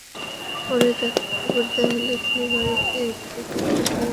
পরে তাঁকে খবর দেওয়া হলে তিনি বাড়িতে একটি পিকআপ নিয়ে আসেন।